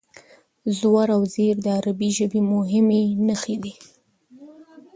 زور او زېر د عربي ژبې مهمې نښې دي.